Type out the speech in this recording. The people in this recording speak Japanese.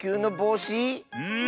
うん。